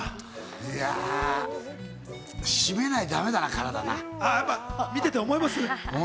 いや、締めないとだめだな、見てて思います？